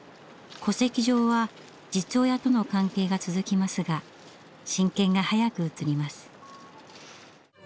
戸籍上は実親との関係が続きますが親権が早く移ります。